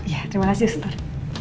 terima kasih ustaz